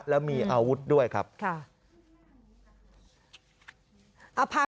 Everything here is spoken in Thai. และมีอาวุธด้วยครับค่ะอาพาณะ